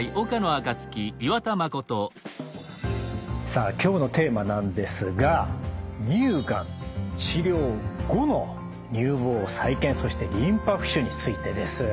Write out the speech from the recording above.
さあ今日のテーマなんですが乳がん治療後の乳房再建そしてリンパ浮腫についてです。